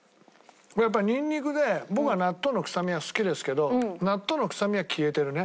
やっぱニンニクで僕は納豆の臭みは好きですけど納豆の臭みは消えてるね。